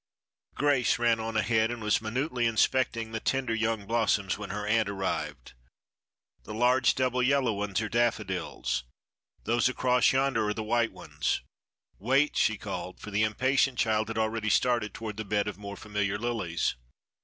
Grace ran on ahead, and was minutely inspecting the tender young blossoms when her aunt arrived. "The large double yellow ones are daffodils. Those across yonder are the white ones. Wait!" she called, for the impatient child had already started toward the bed of more familiar lilies.